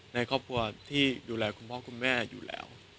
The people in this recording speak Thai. ในครอบครัวที่ดูแลคุณพ่อคุณแม่อยู่แล้ว